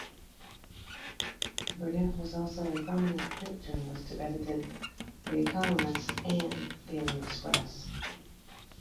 Burnet was also a prominent print journalist who edited "The Economist" and "Daily Express".